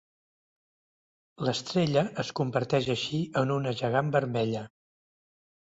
L'estrella es converteix així en una gegant vermella.